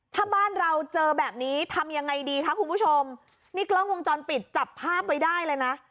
ถ้าบ้านเราเจอแบบนี้ทำยังไงดีคะคุณผู้ชมนี่กล้องวงจรปิดจับภาพไว้ได้เลยนะ